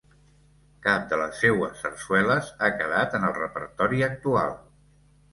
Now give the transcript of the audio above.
Cap de les seues sarsueles ha quedat en el repertori actual.